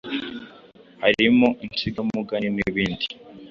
hari mo Insigamugani n’ibindi